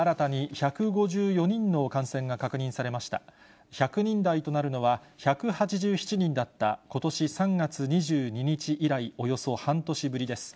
１００人台となるのは、１８７人だったことし３月２２日以来、およそ半年ふりです。